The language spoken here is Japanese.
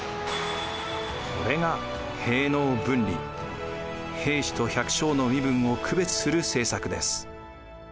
これが兵士と百姓の身分を区別する政策です。